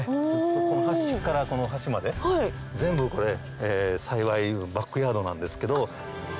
この端からこの端まで全部これ栽培のバックヤードなんですけど。